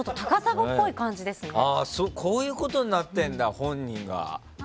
こういうことになってんだ本人は。